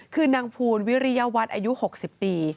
คือนางภูลวิริยวัตรอายุ๖๐ปี